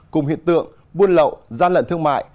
cùng hiện tượng buôn lậu gian lận thương mại